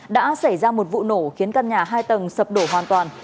đã xảy ra một vụ nổ khiến căn nhà hai tầng sập đổ hoàn toàn